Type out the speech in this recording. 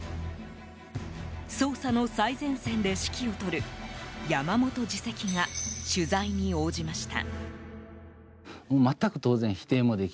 捜査の最前線で指揮を執る山本次席が取材に応じました。